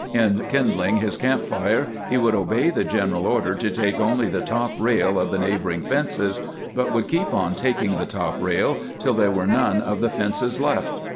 In kindling his camp fire, he would obey the general order to take only the top rail of the neighboring fences, but would keep on taking the top rail till there were none of the fences left.